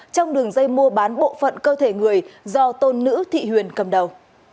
trong đường dây mua bán bộ phận cơ thể người do tôn nữ thị huyền cầm đầu